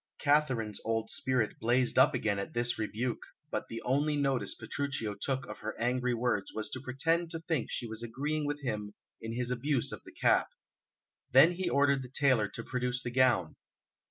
Katharine's old spirit blazed up again at this rebuke, but the only notice Petruchio took of her angry words was to pretend to think she was agreeing with him in his abuse of the cap. Then he ordered the tailor to produce the gown.